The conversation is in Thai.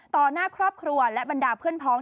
หน้าครอบครัวและบรรดาเพื่อนพ้อง